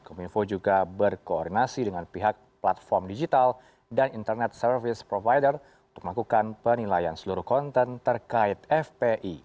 kominfo juga berkoordinasi dengan pihak platform digital dan internet service provider untuk melakukan penilaian seluruh konten terkait fpi